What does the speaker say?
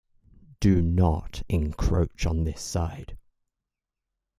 Do not encroach on this side.